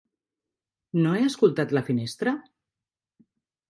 No he escoltat la finestra?